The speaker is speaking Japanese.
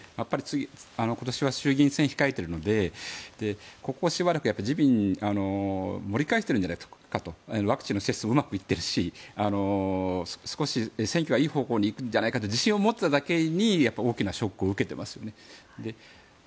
今年は衆議院選を控えているのでここしばらく、自民盛り返しているんじゃないかとワクチンの接種がうまくいっているし少し選挙がいい方向に行くんじゃないかと自信を持っていただけに大きなショックを受けていますよね。